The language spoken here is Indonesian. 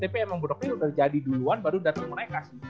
tapi emang brocklyn udah jadi duluan baru dateng mereka sih